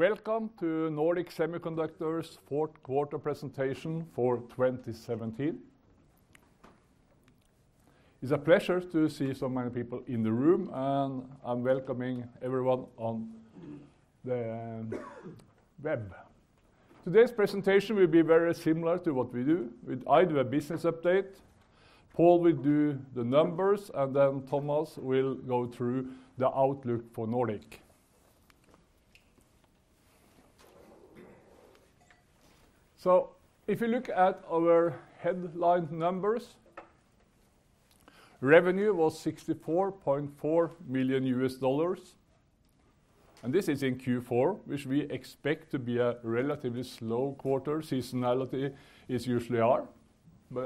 Welcome to Nordic Semiconductor's fourth quarter presentation for 2017. It's a pleasure to see so many people in the room, and I'm welcoming everyone on the web. Today's presentation will be very similar to what we do. I do a business update, Pål will do the numbers, and then Thomas will go through the outlook for Nordic. If you look at our headline numbers, revenue was $64.4 million, and this is in Q4, which we expect to be a relatively slow quarter. Seasonality is usually are.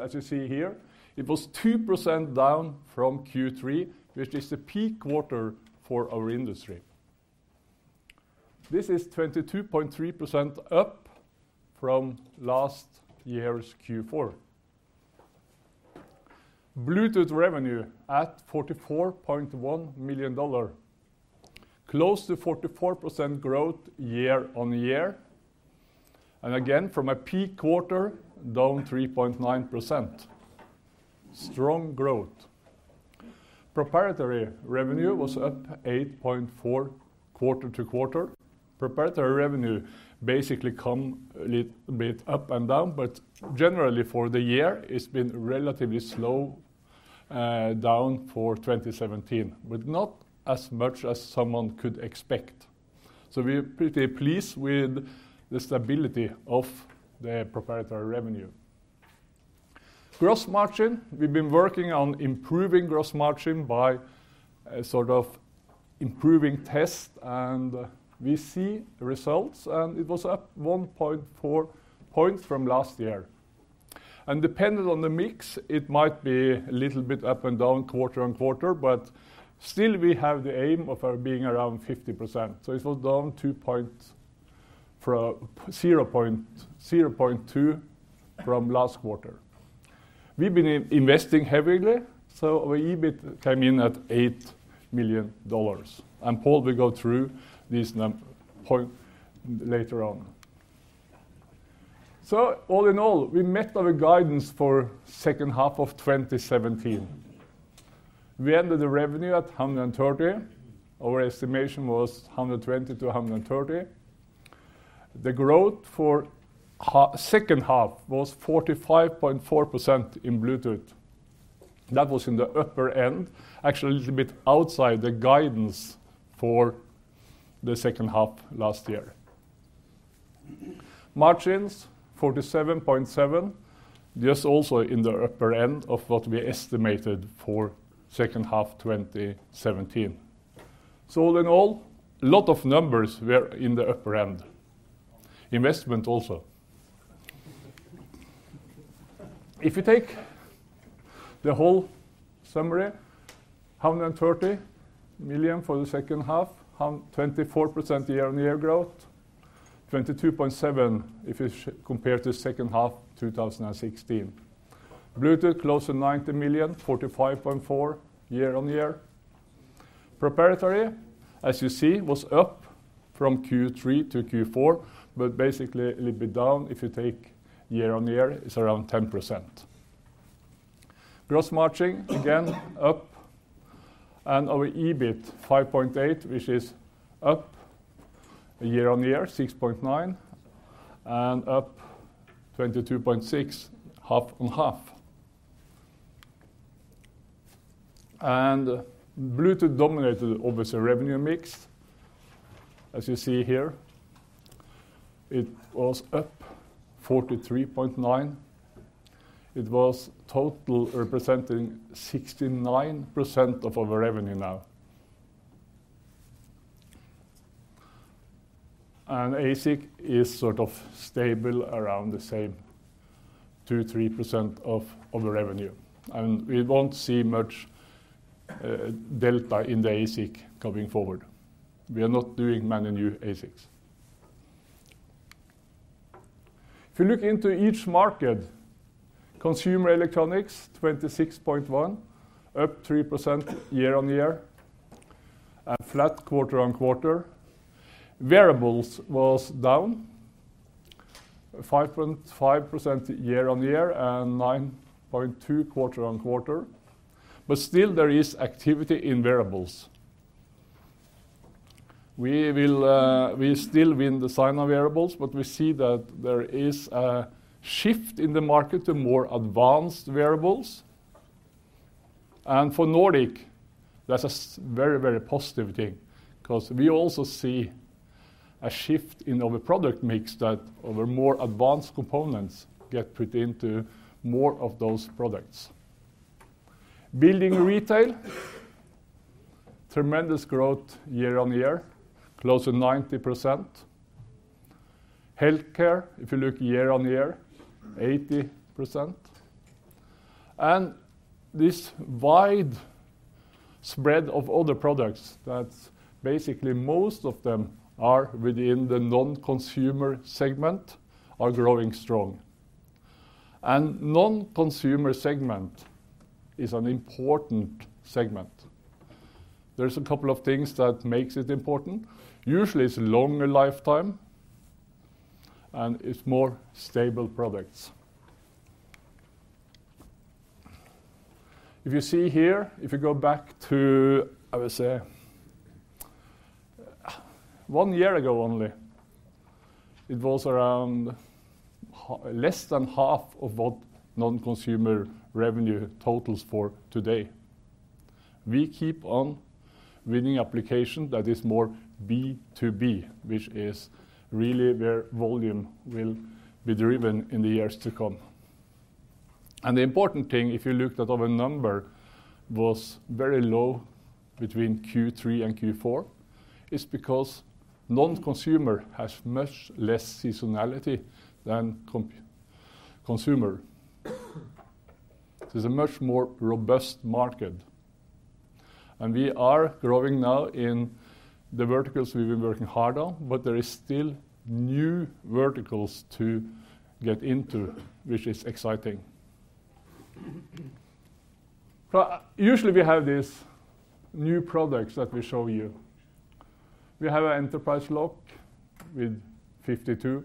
As you see here, it was 2% down from Q3, which is the peak quarter for our industry. This is 22.3% up from last year's Q4. Bluetooth revenue at $44.1 million, close to 44% growth year-on-year, and again, from a peak quarter, down 3.9%. Strong growth. Proprietary revenue was up 8.4 quarter-to-quarter. Proprietary revenue basically come a bit up and down, but generally for the year, it's been relatively slow, down for 2017, but not as much as someone could expect. We're pretty pleased with the stability of the proprietary revenue. Gross margin. We've been working on improving gross margin by sort of improving test, and we see results, and it was up 1.4 points from last year. Depending on the mix, it might be a little bit up and down quarter-on-quarter, but still we have the aim of our being around 50%. It was down 2 points from 0.2 from last quarter. We've been investing heavily, our EBIT came in at $8 million, Pål will go through these point later on. All in all, we met our guidance for second half of 2017. We ended the revenue at $130 million. Our estimation was $120 million-$130 million. The growth for second half was 45.4% in Bluetooth. That was in the upper end, actually a little bit outside the guidance for the second half last year. Margins, 47.7%, just also in the upper end of what we estimated for second half 2017. All in all, a lot of numbers were in the upper end. Investment also. If you take the whole summary, $130 million for the second half, 24% year-on-year growth, 22.7%, if you compare to second half 2016. Bluetooth, close to $90 million, 45.4% year-on-year. Proprietary, as you see, was up from Q3 to Q4, basically a little bit down. If you take year-on-year, it's around 10%. Gross margin, again, up, our EBIT, $5.8, which is up year-on-year, $6.9, up 22.6% half-on-half. Bluetooth dominated obviously revenue mix, as you see here. It was up 43.9%. It was total representing 69% of our revenue now. ASIC is sort of stable around the same, 2-3% of our revenue, and we won't see much delta in the ASIC coming forward. We are not doing many new ASICs. If you look into each market, consumer electronics, 26.1, up 3% year-on-year, and flat quarter-on-quarter. Wearables was down, 5.5% year-on-year and 9.2 quarter-on-quarter. Still there is activity in wearables. We will, we still win design in wearables, but we see that there is a shift in the market to more advanced wearables. For Nordic, that's a very, very positive thing because we also see a shift in our product mix that our more advanced components get put into more of those products. Building and retail, tremendous growth year-on-year, close to 90%. Healthcare, if you look year-on-year, 80%. This wide spread of other products, that's basically most of them are within the non-consumer segment, are growing strong. Non-consumer segment is an important segment. There's a couple of things that makes it important. Usually, it's longer lifetime, and it's more stable products. If you see here, if you go back to, I would say, one year ago only, it was around less than half of what non-consumer revenue totals for today. We keep on winning application that is more B2B, which is really where volume will be driven in the years to come. The important thing, if you looked at our number, was very low between Q3 and Q4, is because non-consumer has much less seasonality than consumer. It's a much more robust market, and we are growing now in the verticals we've been working hard on, but there is still new verticals to get into, which is exciting. Usually, we have these new products that we show you. We have an enterprise lock with 52.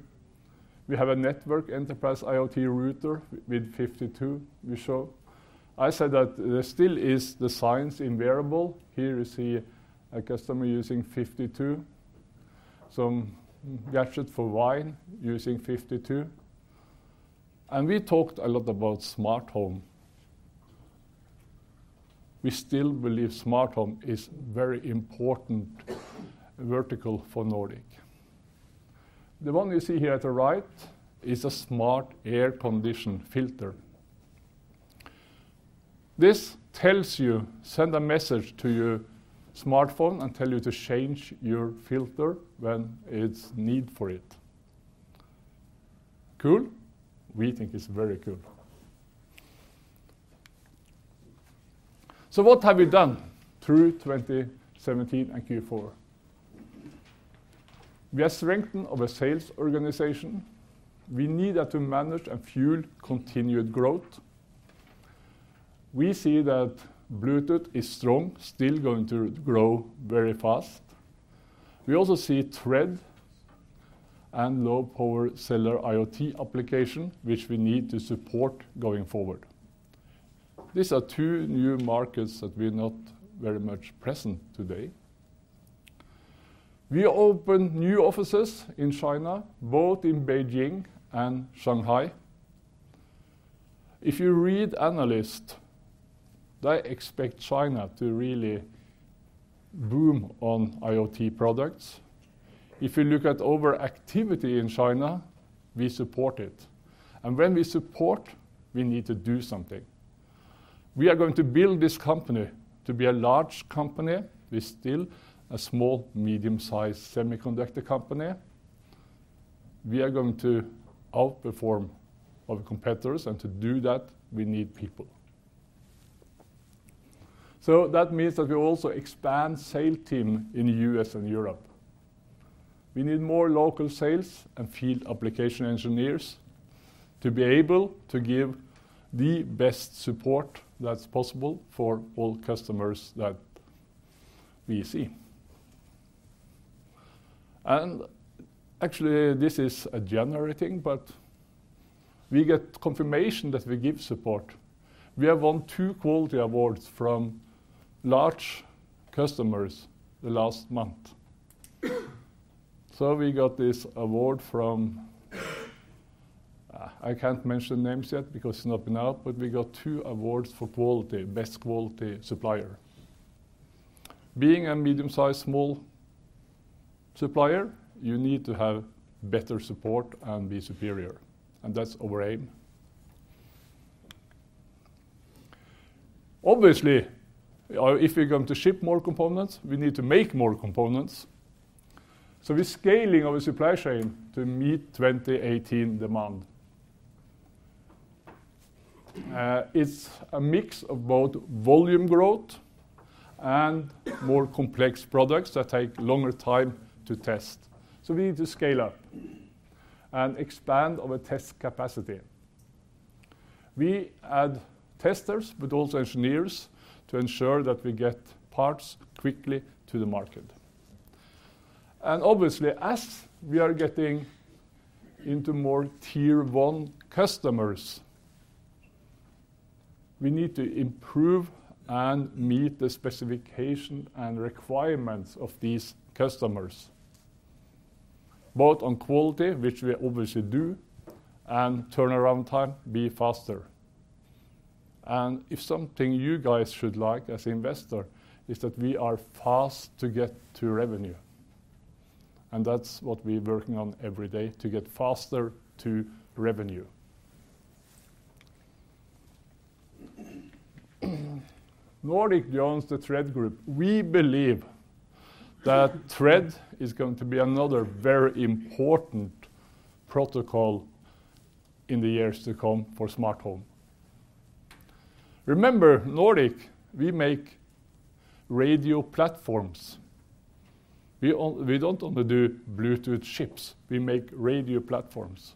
We have a network enterprise IoT router with 52, we show. I said that there still is designs in wearable. Here you see a customer using 52, some gadget for wine using 52. We talked a lot about smart home. We still believe smart home is very important vertical for Nordic. The one you see here at the right is a smart air condition filter. This tells you, send a message to your smartphone and tell you to change your filter when it's need for it. Cool? We think it's very cool. What have we done through 2017 and Q4? We are strengthen of a sales organization. We need that to manage and fuel continued growth. We see that Bluetooth is strong, still going to grow very fast. We also see Thread and low-power cellular IoT application, which we need to support going forward. These are 2 new markets that we're not very much present today. We opened new offices in China, both in Beijing and Shanghai. If you read analyst, they expect China to really boom on IoT products. If you look at overactivity in China, we support it. When we support, we need to do something. We are going to build this company to be a large company, with still a small, medium-sized semiconductor company. We are going to outperform our competitors, and to do that, we need people. That means that we also expand sales team in U.S. and Europe. We need more local sales and field application engineers to be able to give the best support that's possible for all customers that we see. Actually, this is a January thing. We get confirmation that we give support. We have won two quality awards from large customers the last month. We got this award. I can't mention names yet because it's not been out, but we got two awards for quality, best quality supplier. Being a medium-sized, small supplier, you need to have better support and be superior. That's our aim. Obviously, if we're going to ship more components, we need to make more components. We're scaling our supply chain to meet 2018 demand. It's a mix of both volume growth and more complex products that take longer time to test. We need to scale up and expand our test capacity. We add testers, but also engineers, to ensure that we get parts quickly to the market. Obviously, as we are getting into more tier-1 customers, we need to improve and meet the specification and requirements of these customers, both on quality, which we obviously do, and turnaround time, be faster. If something you guys should like as investor, is that we are fast to get to revenue, and that's what we're working on every day, to get faster to revenue. Nordic joins the Thread Group. We believe that Thread is going to be another very important protocol in the years to come for smart home. Remember, Nordic, we make radio platforms. We don't only do Bluetooth chips, we make radio platforms.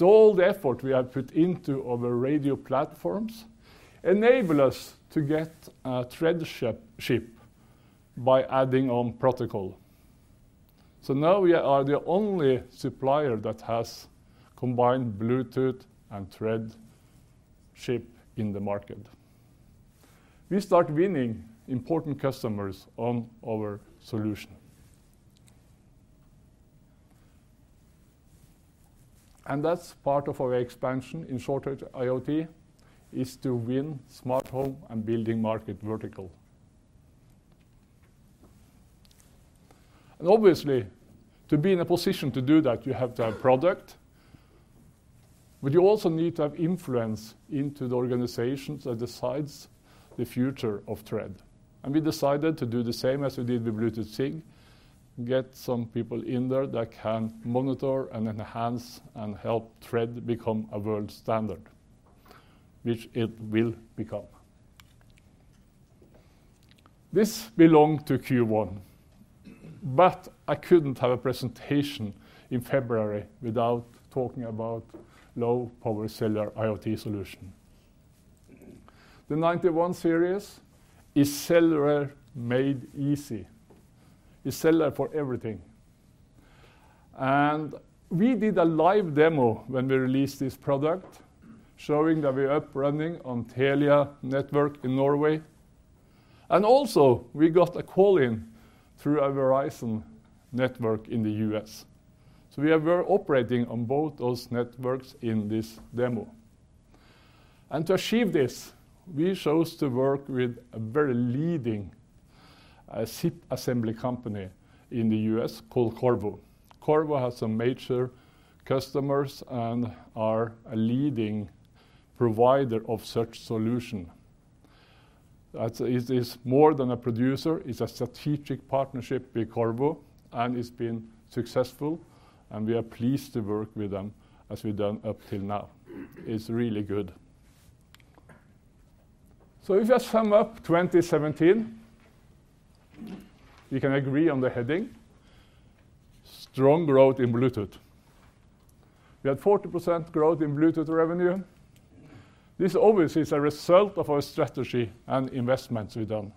All the effort we have put into our radio platforms enable us to get a Thread chip by adding on protocol. Now we are the only supplier that has combined Bluetooth and Thread chip in the market. That's part of our expansion in short-range IoT, is to win smart home and building market vertical. Obviously, to be in a position to do that, you have to have product, but you also need to have influence into the organizations that decides the future of Thread. We decided to do the same as we did with Bluetooth SIG, get some people in there that can monitor and enhance and help Thread become a world standard, which it will become. This belong to Q1, but I couldn't have a presentation in February without talking about low-power cellular IoT solution. The nRF91 Series is cellular made easy, is cellular for everything. We did a live demo when we released this product, showing that we're up running on Telia network in Norway, and also we got a call in through our Verizon network in the U.S. We are very operating on both those networks in this demo. To achieve this, we chose to work with a very leading SIP assembly company in the U.S. called Qorvo. Qorvo has some major customers and are a leading provider of such solution. It is more than a producer, it's a strategic partnership with Qorvo, and it's been successful, and we are pleased to work with them as we've done up till now. It's really good. If you sum up 2017, you can agree on the heading, Strong Growth in Bluetooth. We had 40% growth in Bluetooth revenue. This obviously is a result of our strategy and investments we've done.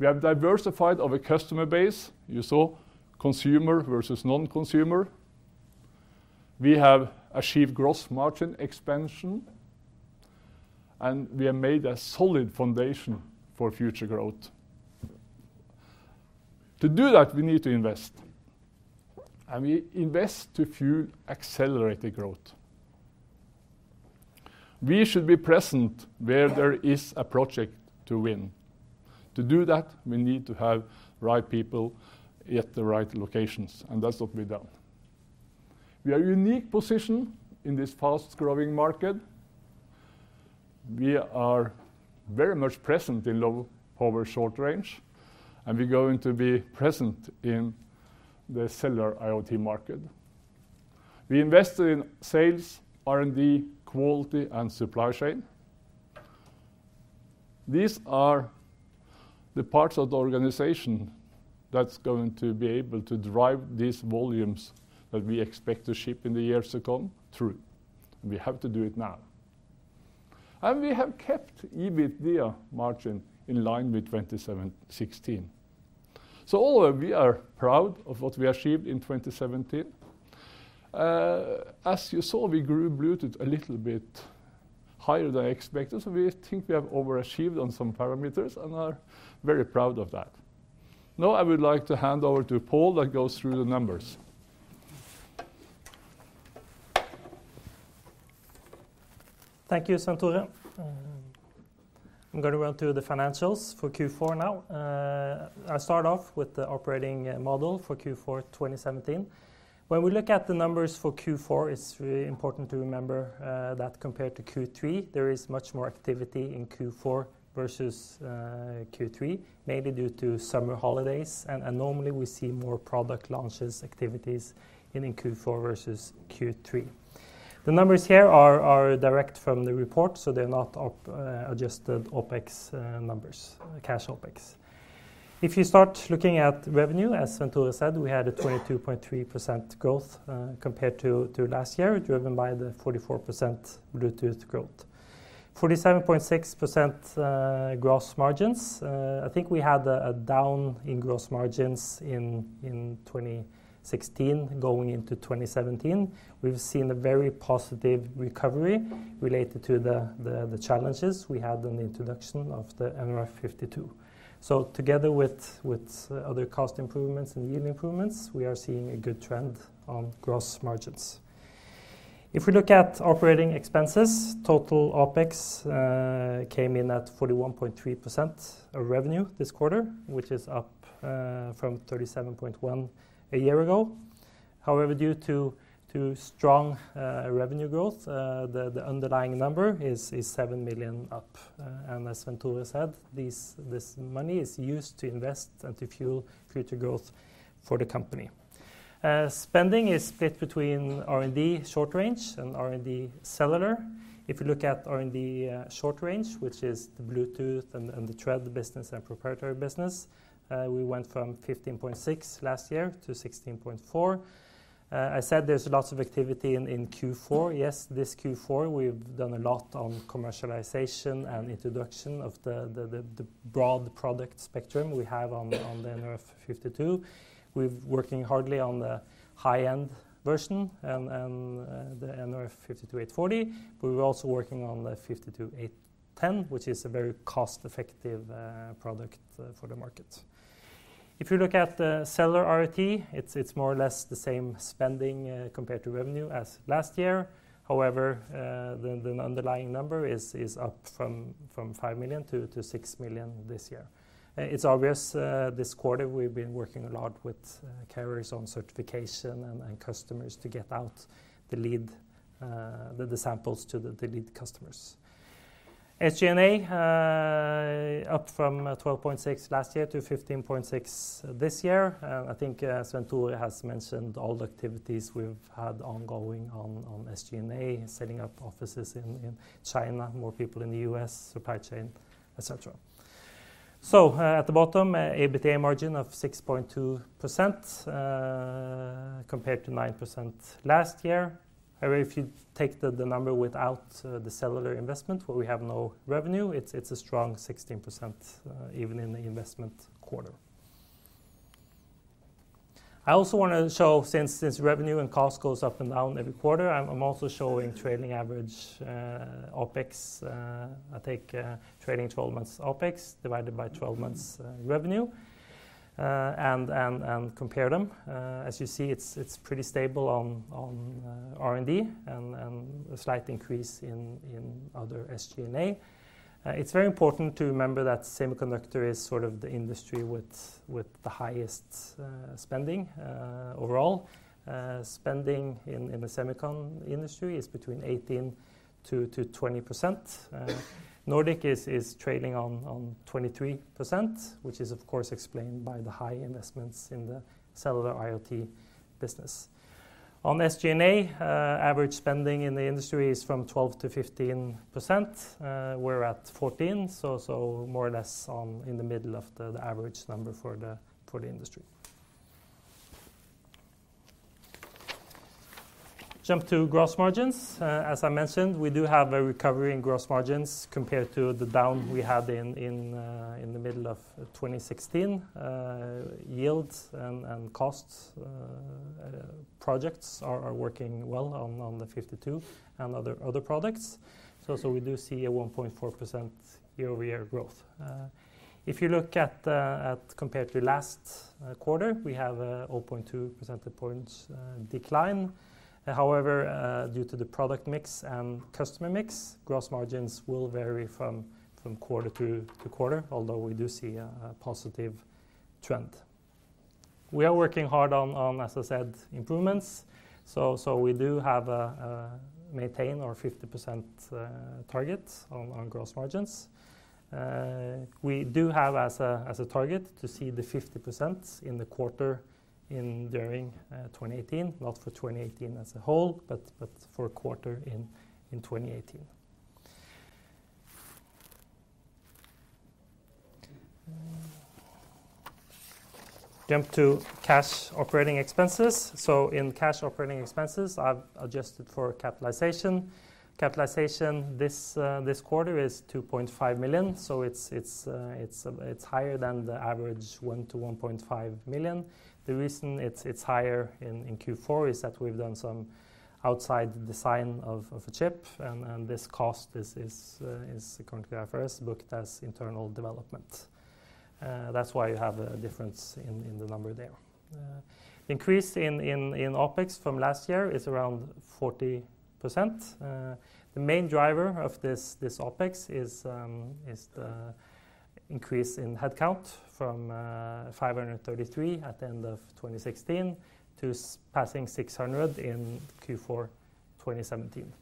We have diversified our customer base. You saw consumer versus non-consumer. We have achieved gross margin expansion. We have made a solid foundation for future growth. To do that, we need to invest. We invest to fuel accelerated growth. We should be present where there is a project to win. To do that, we need to have right people at the right locations. That's what we've done. We are unique position in this fast-growing market. We are very much present in low-power short range, and we're going to be present in the cellular IoT market. We invested in sales, R&D, quality, and supply chain. These are the parts of the organization that's going to be able to drive these volumes that we expect to ship in the years to come through, and we have to do it now. We have kept EBITDA margin in line with 2016. All in all, we are proud of what we achieved in 2017. As you saw, we grew Bluetooth a little bit higher than expected, so we think we have overachieved on some parameters and are very proud of that. Now, I would like to hand over to Pål, that goes through the numbers. Thank you, Svenn-Tore. I'm gonna run through the financials for Q4 now. I'll start off with the operating model for Q4, 2017. When we look at the numbers for Q4, it's really important to remember that compared to Q3, there is much more activity in Q4 versus Q3, mainly due to summer holidays, and normally we see more product launches, activities in Q4 versus Q3. The numbers here are direct from the report, so they're not adjusted OpEx numbers, cash OpEx. If you start looking at revenue, as Svenn-Tore said, we had a 22.3% growth compared to last year, driven by the 44% Bluetooth growth. 47.6% gross margins. I think we had a down in gross margins in 2016 going into 2017. We've seen a very positive recovery related to the, the, the challenges we had on the introduction of the nRF52. Together with, with other cost improvements and yield improvements, we are seeing a good trend on gross margins. If we look at operating expenses, total OpEx came in at 41.3% of revenue this quarter, which is up from 37.1 a year ago. Due to, to strong revenue growth, the, the underlying number is $7 million up, and as Svenn-Tore said, this, this money is used to invest and to fuel future growth for the company. Spending is split between R&D short range and R&D cellular. If you look at R&D, short range, which is the Bluetooth and the Thread business and proprietary business, we went from $15.6 million last year to $16.4 million. I said there's lots of activity in Q4. Yes, this Q4, we've working hardly on the high-end version and the nRF52840. We were also working on the nRF52810, which is a very cost-effective product for the market. If you look at the cellular R&D, it's more or less the same spending compared to revenue as last year. However, the underlying number is up from $5 million- $6 million this year. It's obvious, this quarter, we've been working a lot with carriers on certification and customers to get out the lead, the samples to the lead customers. SG&A up from 12.6 last year to 15.6 this year. I think Svenn-Tore has mentioned all the activities we've had ongoing on SG&A, setting up offices in China, more people in the U.S., supply chain, etc. At the bottom, EBITDA margin of 6.2% compared to 9% last year. However, if you take the number without the cellular investment, where we have no revenue, it's a strong 16% even in the investment quarter. I also want to show, since, since revenue and cost goes up and down every quarter, I'm also showing trailing average OpEx. I take trailing 12 months OpEx divided by 12 months revenue and compare them. As you see, it's pretty stable on R&D and a slight increase in other SG&A. It's very important to remember that semiconductor is sort of the industry with the highest spending. Overall, spending in the semicon industry is between 18%-20%. Nordic is trading on 23%, which is, of course, explained by the high investments in the cellular IoT business. On SG&A, average spending in the industry is from 12%-15%. We're at 14, so more or less in the middle of the average number for the industry. Jump to gross margins. As I mentioned, we do have a recovery in gross margins compared to the down we had in, in the middle of 2016. Yields and costs projects are working well on the nRF52 and other products. We do see a 1.4% year-over-year growth. If you look at compared to last quarter, we have a all 0.2 percentage points decline. However, due to the product mix and customer mix, gross margins will vary from quarter to quarter, although we do see a positive trend. We are working hard on, as I said, improvements. We do have maintain our 50% target on gross margins. We do have as a target to see the 50% in the quarter in during 2018, not for 2018 as a whole, but for a quarter in 2018. Jump to cash operating expenses. In cash operating expenses, I've adjusted for capitalization. Capitalization this quarter is $2.5 million, so it's higher than the average $1 million-$1.5 million. The reason it's higher in Q4 is that we've done some outside design of a chip, and this cost is currently, I first booked as internal development. That's why you have a difference in the number there. Increase in OpEx from last year is around 40%. The main driver of this OpEx is the increase in headcount from 533 at the end of 2016 to passing 600 in Q4 2017.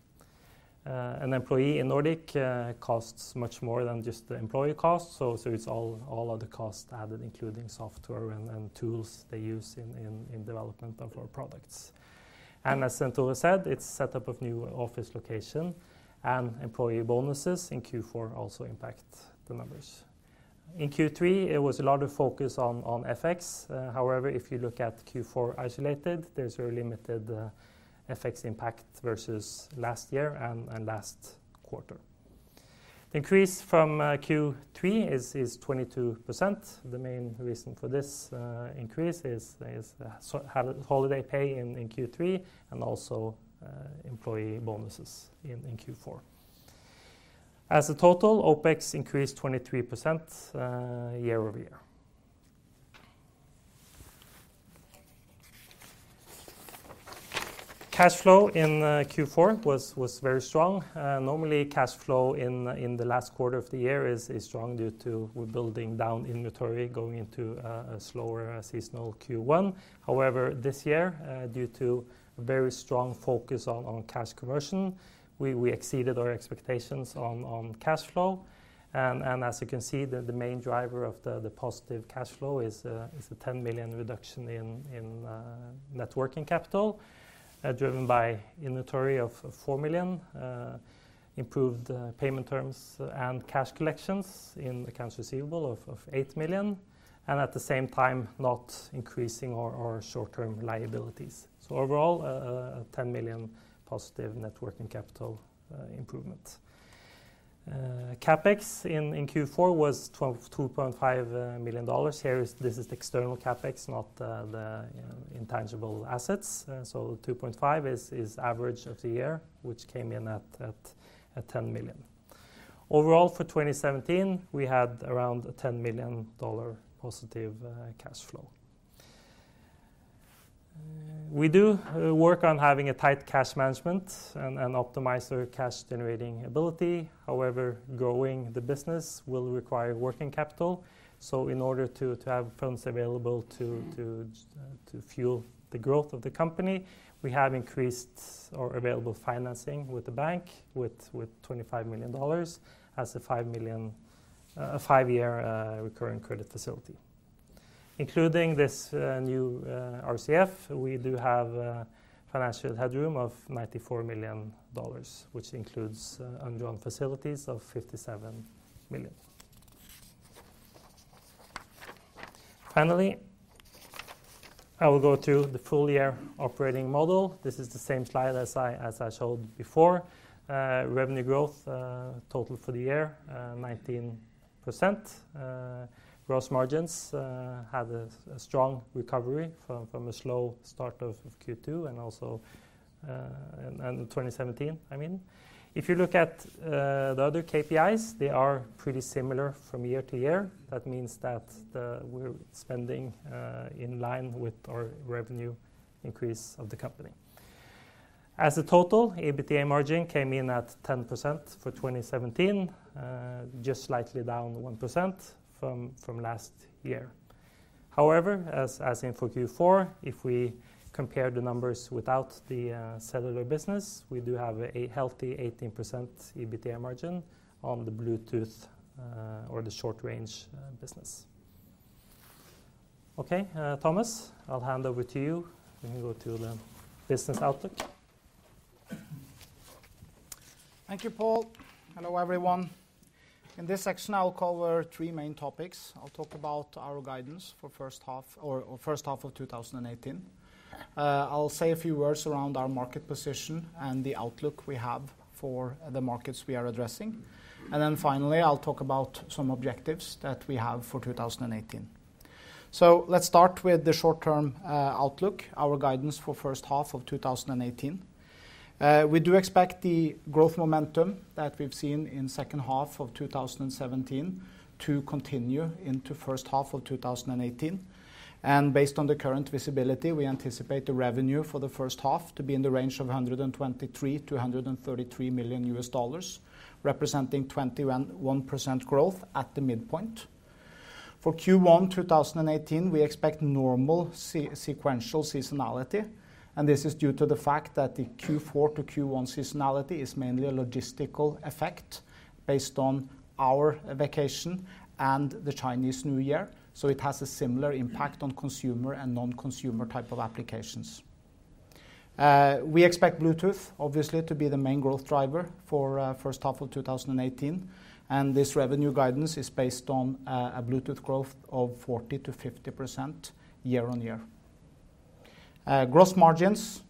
An employee in Nordic costs much more than just the employee cost, so it's all of the costs added, including software and tools they use in development of our products. As Svenn-Tore said, it's set up of new office location and employee bonuses in Q4 also impact the numbers. In Q3, it was a lot of focus on FX. However, if you look at Q4 isolated, there's very limited FX impact versus last year and last quarter. Increase from Q3 is 22%. The main reason for this increase is, is the holiday pay in Q3 and also employee bonuses in Q4. As a total, OpEx increased 23% year-over-year. Cash flow in Q4 was very strong. Normally, cash flow in the last quarter of the year is strong due to we're building down inventory going into a slower seasonal Q1. However, this year, due to very strong focus on, on cash conversion, we, we exceeded our expectations on, on cash flow. As you can see, the main driver of the positive cash flow is a $10 million reduction in net working capital, driven by inventory of $4 million, improved payment terms and cash collections in accounts receivable of $8 million, and at the same time, not increasing our short-term liabilities. Overall, a $10 million positive net working capital improvement. CapEx in Q4 was $2.5 million. Here, this is the external CapEx, not the intangible assets. $2.5 is average of the year, which came in at $10 million. Overall, for 2017, we had around a $10 million positive cash flow. We do work on having a tight cash management and optimize our cash-generating ability. However, growing the business will require working capital, so in order to, to have funds available to, to fuel the growth of the company, we have increased our available financing with the bank, with $25 million, as a $5 million... a five-year, recurring credit facility. Including this new RCF, we do have a financial headroom of $94 million, which includes undrawn facilities of $57 million. Finally, I will go to the full year operating model. This is the same slide as I, as I showed before. Revenue growth, total for the year, 19%. Gross margins had a strong recovery from a slow start of Q2 and also, and 2017, I mean. If you look at the other KPIs, they are pretty similar from year to year. That means that we're spending in line with our revenue increase of the company. As a total, EBITDA margin came in at 10% for 2017, just slightly down 1% from last year. However, as in for Q4, if we compare the numbers without the cellular business, we do have a healthy 18% EBITDA margin on the Bluetooth or the short-range business. Okay, Thomas, I'll hand over to you. We can go to the business outlook. Thank you, Pål. Hello, everyone. In this section, I will cover three main topics. I'll talk about our guidance for first half of 2018. I'll say a few words around our market position and the outlook we have for the markets we are addressing. Then finally, I'll talk about some objectives that we have for 2018. Let's start with the short-term outlook, our guidance for first half of 2018. We do expect the growth momentum that we've seen in second half of 2017 to continue into first half of 2018. Based on the current visibility, we anticipate the revenue for the first half to be in the range of $123 million-$133 million, representing 21% growth at the midpoint. For Q1 2018, we expect normal sequential seasonality. This is due to the fact that the Q4-Q1 seasonality is mainly a logistical effect based on our vacation and the Chinese New Year, so it has a similar impact on consumer and non-consumer type of applications. We expect Bluetooth, obviously, to be the main growth driver for first half of 2018. This revenue guidance is based on a Bluetooth growth of 40%-50% year-on-year. Gross margins,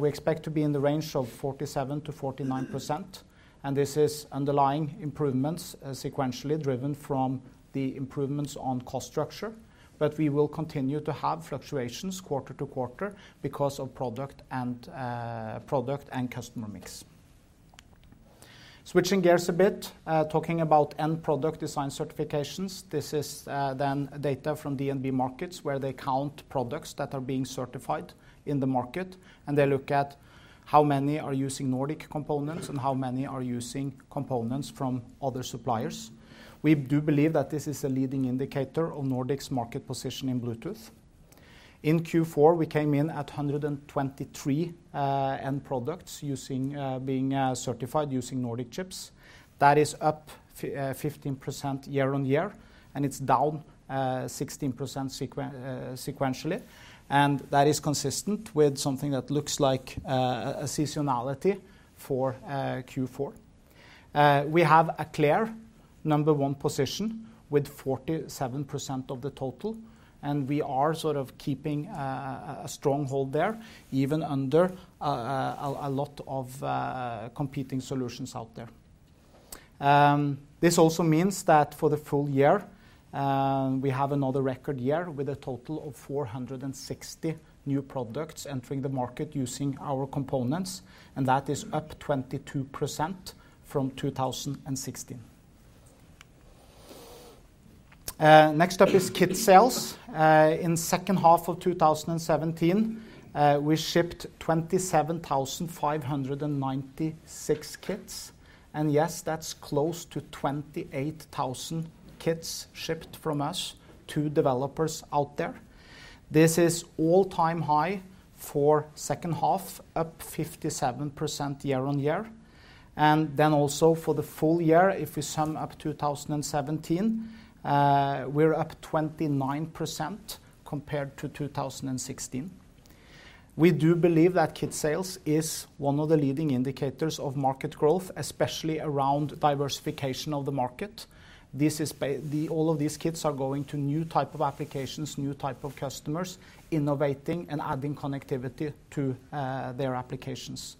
we expect to be in the range of 47%-49%. This is underlying improvements, sequentially, driven from the improvements on cost structure. We will continue to have fluctuations quarter-to-quarter because of product and product and customer mix. Switching gears a bit, talking about end product design certifications, this is then data from DNB Markets, where they count products that are being certified in the market, and they look at how many are using Nordic components and how many are using components from other suppliers. We do believe that this is a leading indicator of Nordic's market position in Bluetooth. In Q4, we came in at 123 end products using, being certified using Nordic chips. That is up 15% year-over-year, and it's down 16% sequentially, and that is consistent with something that looks like a seasonality for Q4. We have a clear number one position with 47% of the total, and we are sort of keeping a, a, a strong hold there, even under a lot of competing solutions out there. This also means that for the full year, we have another record year with a total of 460 new products entering the market using our components, and that is up 22% from 2016. Next up is kit sales. In second half of 2017, we shipped 27,596 kits. Yes, that's close to 28,000 kits shipped from us to developers out there. This is all-time high for second half, up 57% year-on-year. Also for the full year, if we sum up 2017, we're up 29% compared to 2016. We do believe that kit sales is one of the leading indicators of market growth, especially around diversification of the market. All of these kits are going to new type of applications, new type of customers, innovating and adding connectivity to their applications.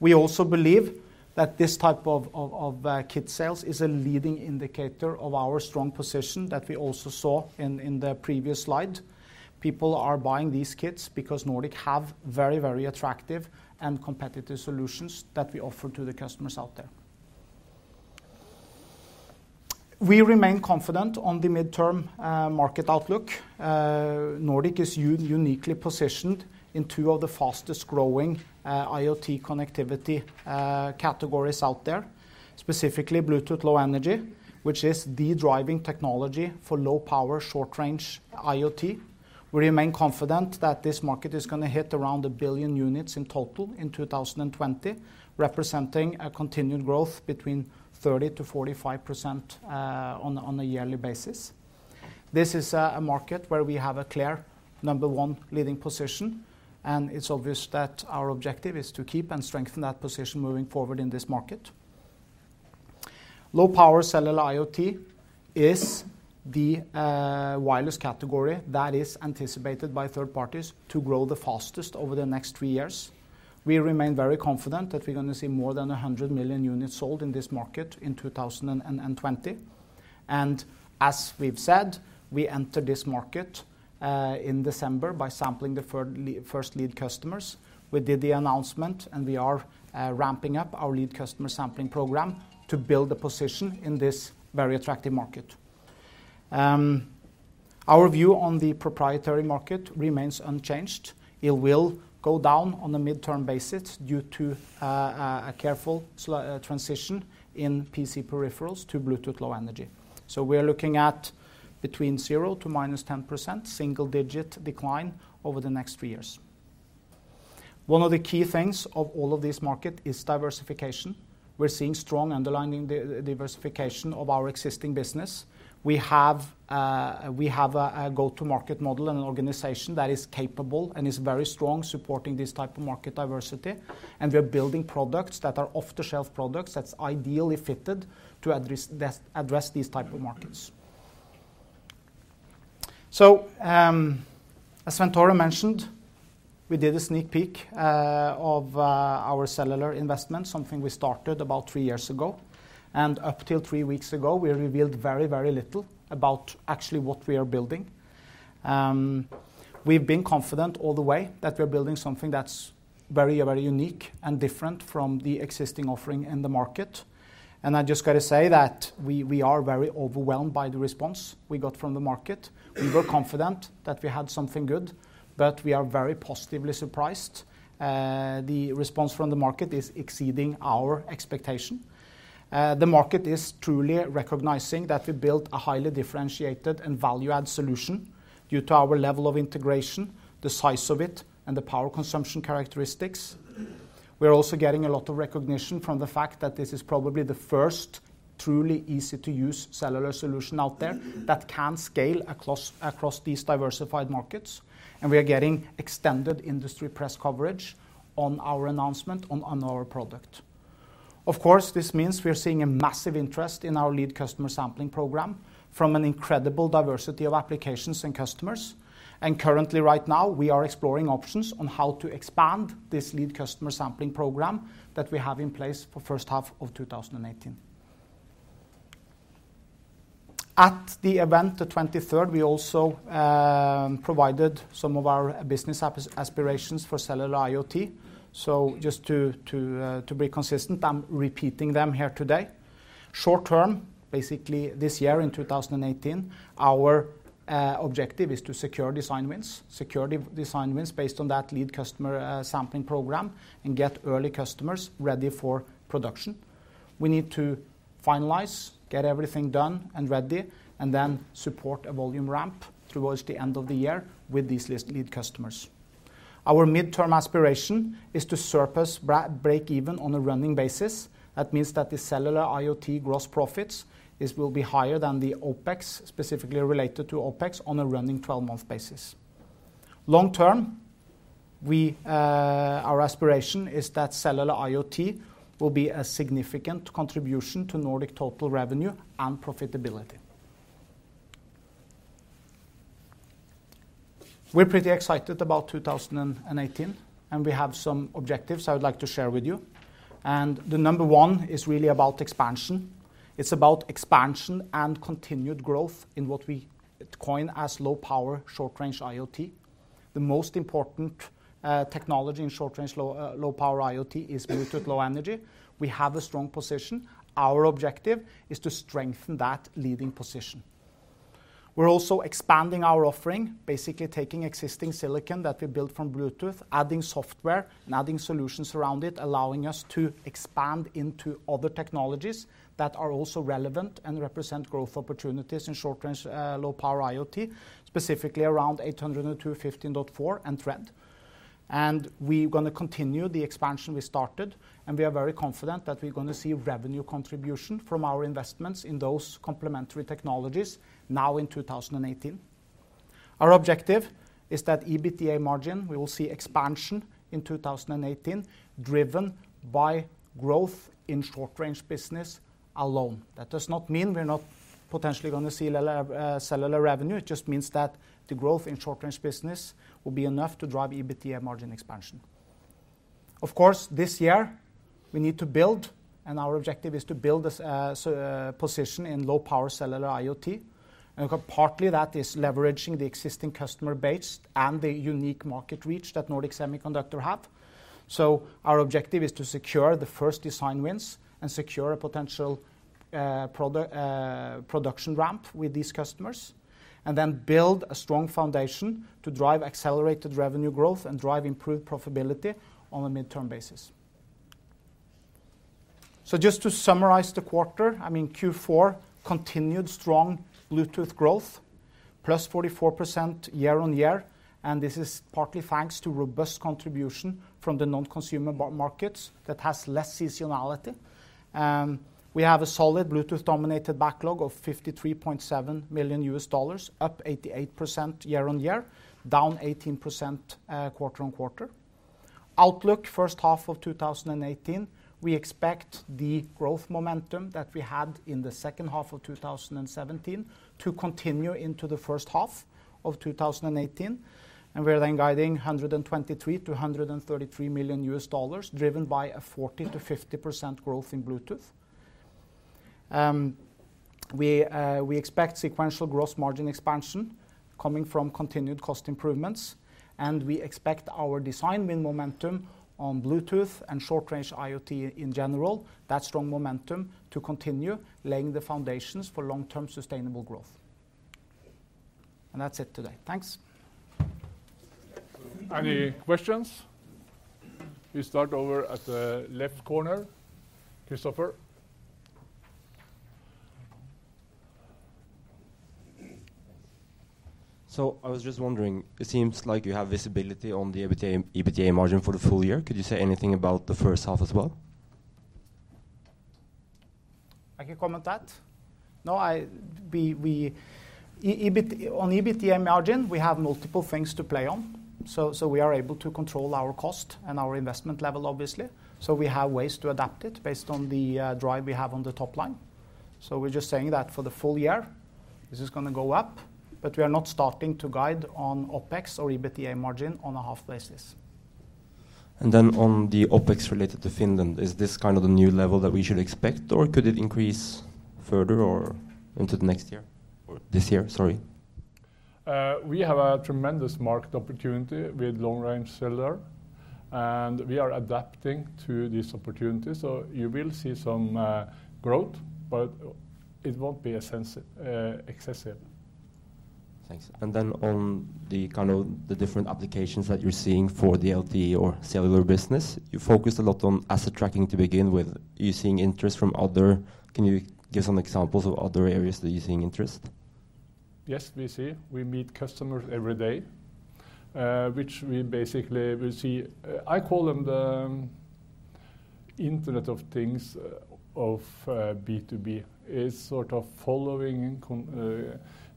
We also believe that this type of kit sales is a leading indicator of our strong position that we also saw in, in the previous slide. People are buying these kits because Nordic have very, very attractive and competitive solutions that we offer to the customers out there. We remain confident on the midterm market outlook. Nordic is uniquely positioned in two of the fastest growing IoT connectivity categories out there, specifically Bluetooth Low Energy, which is the driving technology for low-power, short-range IoT. We remain confident that this market is gonna hit around 1 billion units in total in 2020, representing a continued growth between 30%-45% on a yearly basis. This is a market where we have a clear number one leading position, and it's obvious that our objective is to keep and strengthen that position moving forward in this market. Low-power cellular IoT is the wireless category that is anticipated by third parties to grow the fastest over the next three years. We remain very confident that we're gonna see more than 100 million units sold in this market in 2020. As we've said, we entered this market in December by sampling the first lead customers. We did the announcement, and we are ramping up our lead customer sampling program to build a position in this very attractive market. Our view on the proprietary market remains unchanged. It will go down on a midterm basis due to a careful transition in PC peripherals to Bluetooth Low Energy. We're looking at between 0% to -10%, single-digit decline over the next three years. One of the key things of all of this market is diversification. We're seeing strong underlying diversification of our existing business. We have, we have a, a go-to-market model and an organization that is capable and is very strong supporting this type of market diversity, and we are building products that are off-the-shelf products that's ideally fitted to address these type of markets. As Svenn-Tore mentioned, we did a sneak peek of our cellular investment, something we started about three years ago. Up till three weeks ago, we revealed very, very little about actually what we are building. We've been confident all the way that we're building something that's very, very unique and different from the existing offering in the market. I just gotta say that we, we are very overwhelmed by the response we got from the market. We were confident that we had something good, but we are very positively surprised. The response from the market is exceeding our expectation. The market is truly recognizing that we built a highly differentiated and value-add solution due to our level of integration, the size of it, and the power consumption characteristics. We're also getting a lot of recognition from the fact that this is probably the first truly easy-to-use cellular solution out there that can scale across, across these diversified markets, and we are getting extended industry press coverage on our announcement on, on our product. Of course, this means we are seeing a massive interest in our lead customer sampling program from an incredible diversity of applications and customers. Currently right now, we are exploring options on how to expand this lead customer sampling program that we have in place for 1st half of 2018. At the event, the 23rd, we also provided some of our business aspirations for cellular IoT. Just to be consistent, I'm repeating them here today. Short term, basically this year in 2018, our objective is to secure design wins, secure design wins based on that lead customer sampling program and get early customers ready for production. We need to finalize, get everything done and ready, and then support a volume ramp towards the end of the year with these lead customers. Our midterm aspiration is to surpass break even on a running basis. That means that the cellular IoT gross profits is will be higher than the OpEx, specifically related to OpEx, on a running 12-month basis. Long term, we, our aspiration is that cellular IoT will be a significant contribution to Nordic total revenue and profitability. We're pretty excited about 2018, and we have some objectives I would like to share with you. The number one is really about expansion. It's about expansion and continued growth in what we coin as low power, short-range IoT. The most important technology in short range, low, low power IoT is Bluetooth Low Energy. We have a strong position. Our objective is to strengthen that leading position. We're also expanding our offering, basically taking existing silicon that we built from Bluetooth, adding software and adding solutions around it, allowing us to expand into other technologies that are also relevant and represent growth opportunities in short range, low power IoT, specifically around 802.15.4 and Thread. We're gonna continue the expansion we started, and we are very confident that we're gonna see revenue contribution from our investments in those complementary technologies now in 2018. Our objective is that EBITDA margin, we will see expansion in 2018, driven by growth in short-range business alone. That does not mean we're not potentially gonna see cellular revenue. It just means that the growth in short-range business will be enough to drive EBITDA margin expansion. Of course, this year we need to build, and our objective is to build this position in low-power cellular IoT. Partly, that is leveraging the existing customer base and the unique market reach that Nordic Semiconductor have. Our objective is to secure the first design wins and secure a potential production ramp with these customers, and then build a strong foundation to drive accelerated revenue growth and drive improved profitability on a midterm basis. Just to summarize the quarter, I mean, Q4 continued strong Bluetooth growth, +44% year-on-year, and this is partly thanks to robust contribution from the non-consumer markets that has less seasonality. We have a solid Bluetooth-dominated backlog of $53.7 million, up 88% year-on-year, down 18% quarter-on-quarter. Outlook first half of 2018, we expect the growth momentum that we had in the second half of 2017 to continue into the first half of 2018. We're then guiding $123 million-$133 million, driven by a 40%-50% growth in Bluetooth. We expect sequential gross margin expansion coming from continued cost improvements. We expect our design win momentum on Bluetooth and short-range IoT in general, that strong momentum to continue laying the foundations for long-term sustainable growth. That's it today. Thanks. Any questions? We start over at the left corner. Christopher? I was just wondering, it seems like you have visibility on the EBITDA, EBITDA margin for the full year. Could you say anything about the first half as well? I can comment that. No, on EBITDA margin, we have multiple things to play on, so we are able to control our cost and our investment level, obviously. We have ways to adapt it based on the drive we have on the top line. We're just saying that for the full year, this is gonna go up, we are not starting to guide on OpEx or EBITDA margin on a half basis. Then on the OpEx related to Finland, is this kind of the new level that we should expect, or could it increase further or into the next year, or this year, sorry? We have a tremendous market opportunity with long-range cellular, and we are adapting to this opportunity, so you will see some growth, but it won't be a sense excessive. Thanks. Then on the kind of the different applications that you're seeing for the LTE or cellular business, you focused a lot on asset tracking to begin with. Are you seeing interest from other? Can you give some examples of other areas that you're seeing interest? Yes, we see. We meet customers every day, which we basically will see, I call them the Internet of Things of B2B. It's sort of following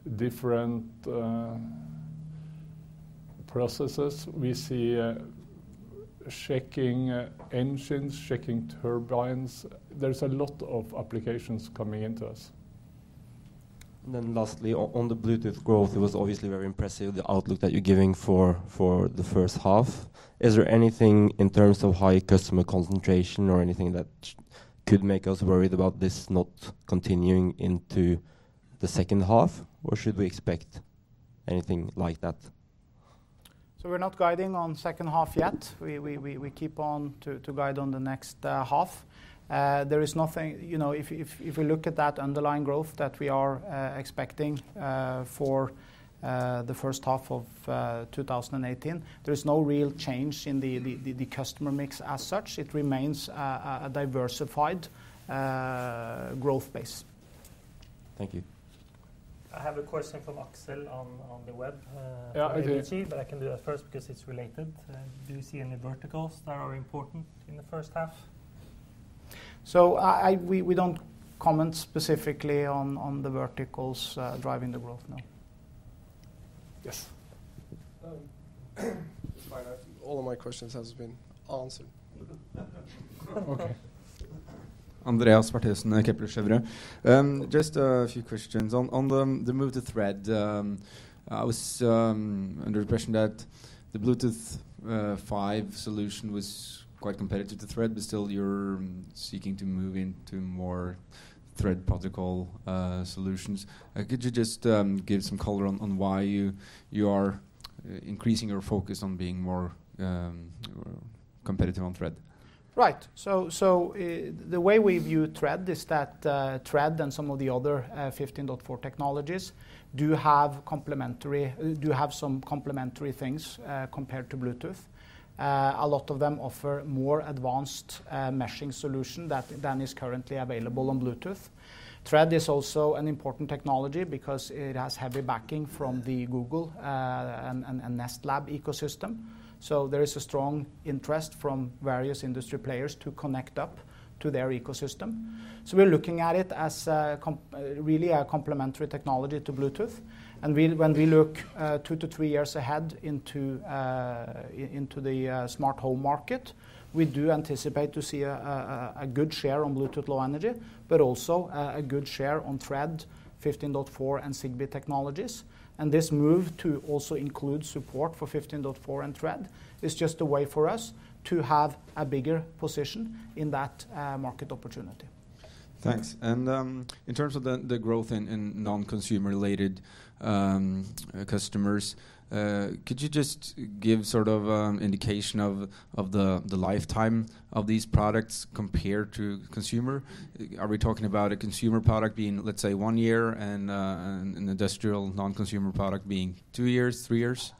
in different processes. We see checking engines, checking turbines. There's a lot of applications coming into us. Then lastly, on the Bluetooth growth, it was obviously very impressive, the outlook that you're giving for the first half. Is there anything in terms of high customer concentration or anything that could make us worried about this not continuing into the second half, or should we expect anything like that? We're not guiding on second half yet. We keep on to guide on the next half. There is nothing. You know, if, if, if you look at that underlying growth that we are expecting, for the first half of 2018, there is no real change in the customer mix as such. It remains a diversified growth base. Thank you. I have a question from Axel on the web. I can do it first because it's related. Do you see any verticals that are important in the first half? We don't comment specifically on the verticals driving the growth, no. All of my questions has been answered. Okay. Andreas Bertheussen, Kepler Cheuvreux. Just a few questions. On, on the, the move to Thread, I was under impression that the Bluetooth five solution was quite competitive to Thread, but still you're seeking to move into more Thread protocol solutions. Could you just give some color on, on why you, you are increasing your focus on being more competitive on Thread? Right. The way we view Thread is that Thread and some of the other 802.15.4 technologies do have some complementary things compared to Bluetooth. A lot of them offer more advanced meshing solution than is currently available on Bluetooth. Thread is also an important technology because it has heavy backing from the Google and Nest Labs ecosystem. There is a strong interest from various industry players to connect up to their ecosystem. We're looking at it as really a complementary technology to Bluetooth. When we look, 2-3 years ahead into the smart home market, we do anticipate to see a good share on Bluetooth Low Energy, but also a good share on Thread, 15.4, and Zigbee technologies. This move to also include support for 15.4 and Thread is just a way for us to have a bigger position in that market opportunity. Thanks. In terms of the growth in non-consumer-related customers, could you just give sort of indication of the lifetime of these products compared to consumer? Are we talking about a consumer product being, let's say, one year, and an industrial non-consumer product being two years, three years?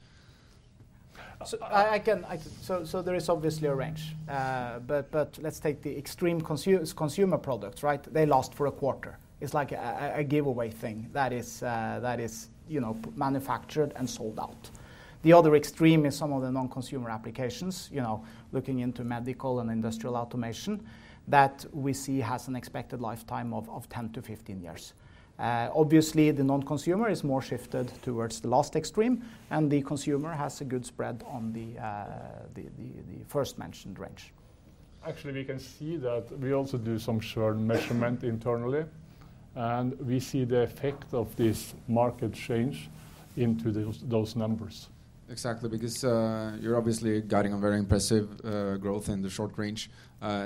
There is obviously a range. Let's take the extreme consumer products, right? They last for a quarter. It's like a giveaway thing that is, you know, manufactured and sold out. The other extreme is some of the non-consumer applications, you know, looking into medical and industrial automation, that we see has an expected lifetime of 10-15 years. Obviously, the non-consumer is more shifted towards the last extreme, and the consumer has a good spread on the, the, the first mentioned range. Actually, we can see that we also do some short measurement internally, and we see the effect of this market change into those, those numbers. Exactly, because, you're obviously guiding a very impressive, growth in the short range. I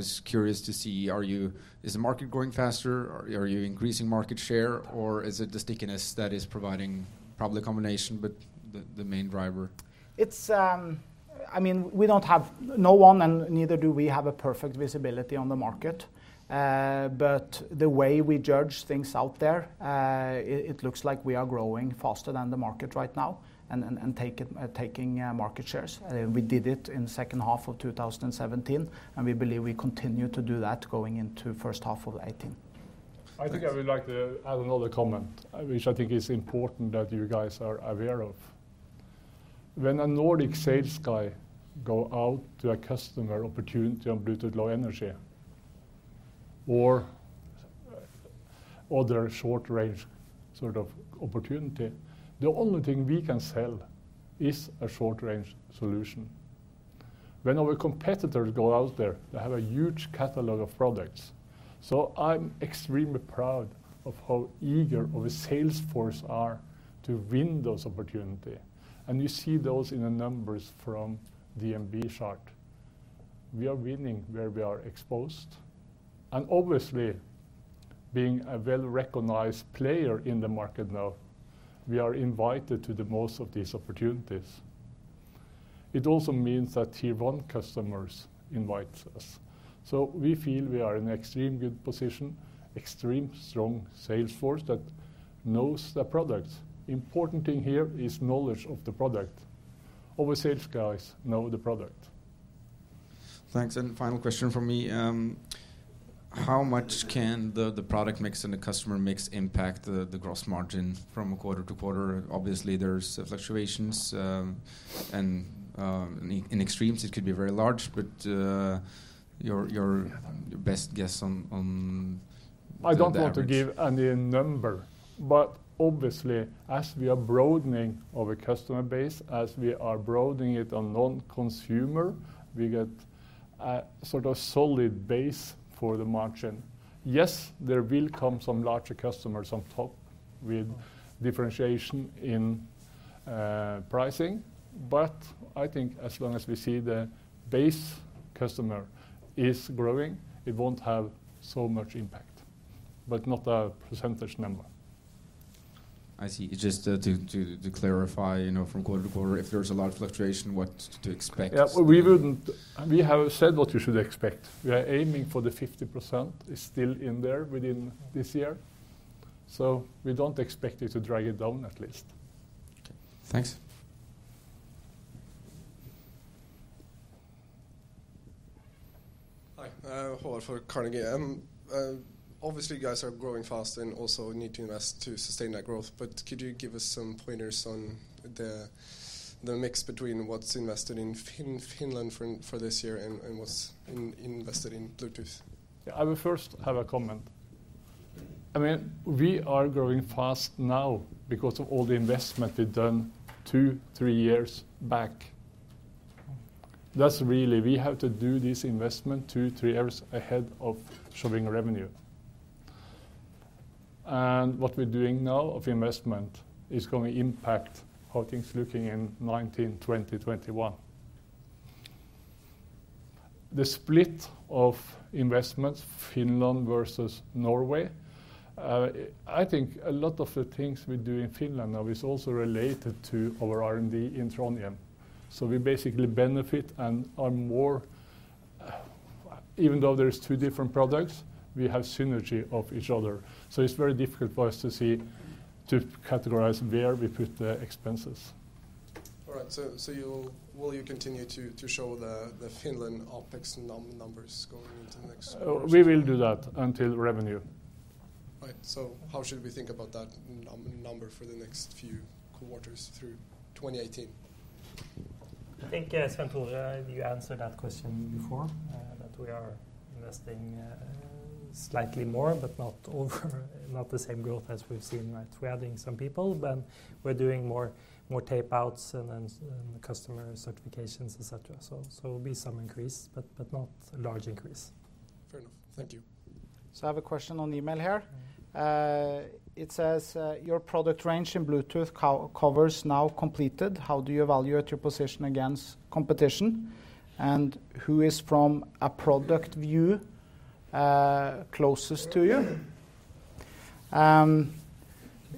was curious to see, are you-- is the market growing faster, or are you increasing market share, or is it the stickiness that is providing probably a combination, but the, the main driver? It's, I mean, we don't have no one, and neither do we, have a perfect visibility on the market. The way we judge things out there, it looks like we are growing faster than the market right now and taking market shares. We did it in second half of 2017, we believe we continue to do that going into first half of 2018. I think I would like to add another comment, which I think is important that you guys are aware of. When a Nordic sales guy go out to a customer opportunity on Bluetooth Low Energy, or, other short-range sort of opportunity, the only thing we can sell is a short-range solution. When our competitors go out there, they have a huge catalog of products. I'm extremely proud of how eager our sales force are to win those opportunity, and you see those in the numbers from DNB chart. We are winning where we are exposed, and obviously, being a well-recognized player in the market now, we are invited to the most of these opportunities. It also means that tier-1 customers invite us. We feel we are in extremely good position, extreme strong sales force that knows the product. Important thing here is knowledge of the product. Our sales guys know the product. Thanks. Final question from me, how much can the product mix and the customer mix impact the gross margin from quarter to quarter? Obviously, there's fluctuations, and in extremes, it could be very large, but your best guess on the damage. I don't want to give any number, but obviously, as we are broadening our customer base, as we are broadening it on non-consumer, we get a sort of solid base for the margin. Yes, there will come some larger customers on top with differentiation in pricing, but I think as long as we see the base customer is growing, it won't have so much impact, but not a percentage number. I see. Just to clarify, you know, from quarter to quarter, if there's a lot of fluctuation, what to expect? Yeah, we have said what you should expect. We are aiming for the 50% is still in there within this year, so we don't expect it to drag it down, at least. Okay. Thanks. Hi, Howard for Carnegie. Obviously, you guys are growing fast and also need to invest to sustain that growth, but could you give us some pointers on the mix between what's invested in Finland for this year and what's invested in Bluetooth? Yeah, I will first have a comment. I mean, we are growing fast now because of all the investment we've done two, three years back. That's really, we have to do this investment two, three years ahead of showing revenue. What we're doing now of investment is going to impact how things looking in 2019, 2020, 2021. The split of investments, Finland versus Norway, I think a lot of the things we do in Finland now is also related to our R&D in Trondheim. We basically benefit and are more, even though there's two different products, we have synergy of each other. It's very difficult for us to categorize where we put the expenses. All right, will you continue to show the Finland OpEx numbers going into the next-. We will do that until revenue. Right. How should we think about that number for the next few quarters through 2018? I think, Svenn-Tore, you answered that question before, that we are investing, slightly more, but not over, not the same growth as we've seen, right? We're adding some people, but we're doing more, more tapeouts and then, customer certifications, et cetera. It'll be some increase, but not a large increase. Fair enough. Thank you. I have a question on email here. It says, your product range in Bluetooth co-covers now completed, how do you evaluate your position against competition? Who is from a product view closest to you?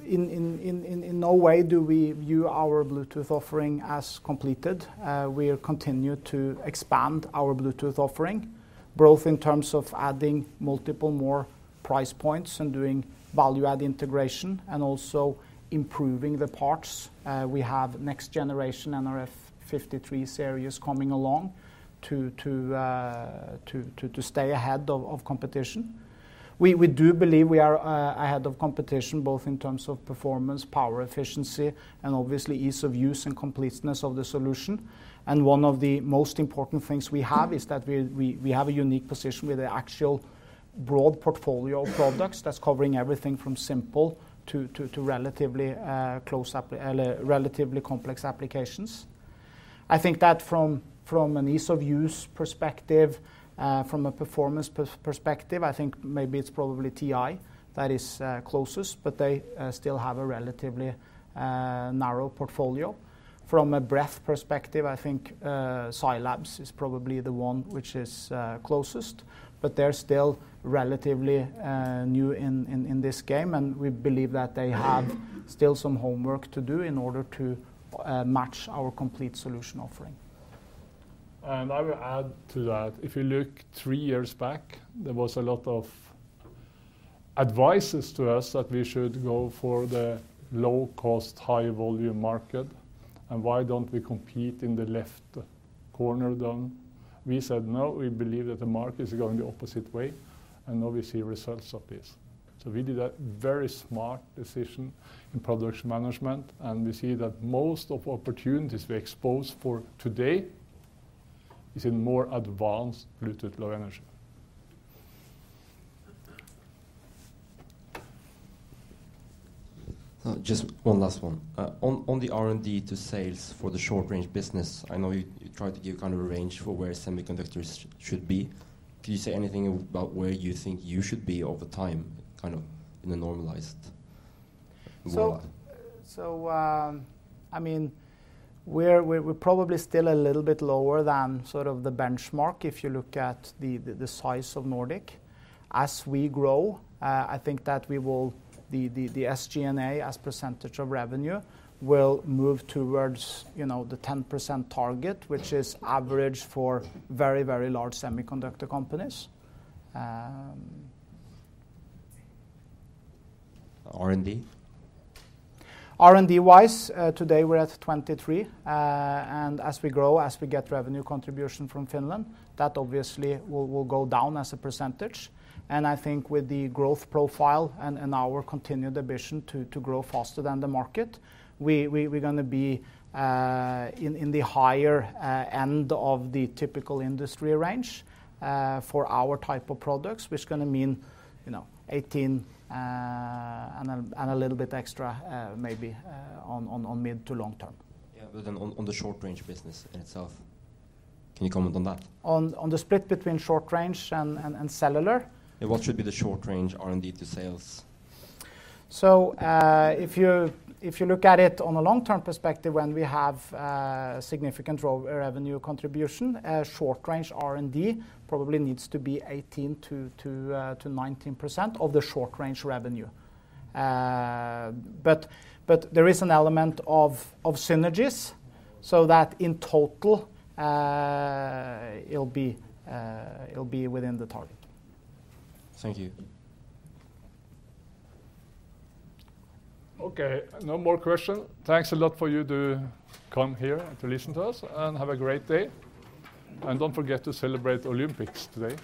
In no way do we view our Bluetooth offering as completed. We'll continue to expand our Bluetooth offering, both in terms of adding multiple more price points and doing value-add integration, and also improving the parts. We have next generation nRF53 Series series coming along to stay ahead of competition. We do believe we are ahead of competition, both in terms of performance, power efficiency, and obviously ease of use and completeness of the solution. One of the most important things we have is that we have a unique position with an actual broad portfolio of products that's covering everything from simple to relatively, close up... relatively complex applications. I think that from, from an ease of use perspective, from a performance perspective, I think maybe it's probably TI that is, closest, but they, still have a relatively, narrow portfolio. From a breadth perspective, I think, SiLabs is probably the one which is, closest, but they're still relatively, new in this game, and we believe that they have still some homework to do in order to, match our complete solution offering. I will add to that, if you look three years back, there was a lot of advice to us that we should go for the low cost, high volume market, and why don't we compete in the left corner then? We said, "No, we believe that the market is going the opposite way," and now we see results of this. We did a very smart decision in production management, and we see that most of opportunities we expose for today is in more advanced Bluetooth Low Energy. Just one last one. On, on the R&D to sales for the short range business, I know you, you tried to give kind of a range for where semiconductors should be. Can you say anything about where you think you should be over time, kind of in a normalized world? I mean, we're, we're probably still a little bit lower than sort of the benchmark, if you look at the size of Nordic. As we grow, I think that we will... SG&A, as percentage of revenue, will move towards, you know, the 10% target, which is average for very, very large semiconductor companies. R&D? R&D-wise, today we're at 23, and as we grow, as we get revenue contribution from Finland, that obviously will, will go down as a percentage. I think with the growth profile and, and our continued ambition to, to grow faster than the market, we, we, we're gonna be, in, in the higher, end of the typical industry range, for our type of products, which is gonna mean, you know, 18, and a, and a little bit extra, maybe on mid to long term. Yeah, on the short range business in itself, can you comment on that? On the split between short range and cellular? Yeah, what should be the short range R&D to sales? If you at it on a long-term perspective, when we have significant re-revenue contribution, short range R&D probably needs to be 18%-19% of the short range revenue. There is an element of synergies, so that in total, it'll be, it'll be within the target. Thank you. Okay, no more question. Thanks a lot for you to come here and to listen to us, and have a great day. Don't forget to celebrate Olympics today.